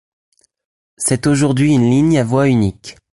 C'est aujourd'hui une ligne à voie unique.